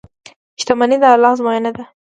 • شتمني د الله ازموینه ده.